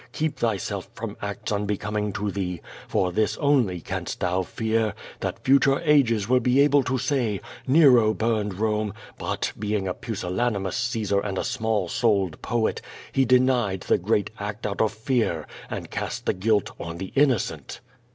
Keep thyself from acts unbecoming to thee; for this only canst thou fear, that future ages will be able to say: *Ncro burned Rome, but, being a pusillanimous Caesar and a small souled poet, he denied the great act out of fear and cast the guilt on the innocent.